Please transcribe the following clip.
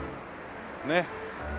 ねっ。